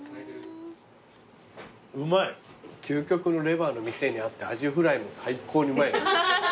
究極のレバ−の店にあったアジフライも最高にうまい。